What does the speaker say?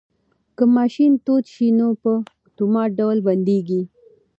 که ماشین تود شي نو په اتومات ډول بندیږي.